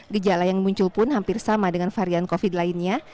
gejala yang muncul pun hampir sama dengan varian covid lainnya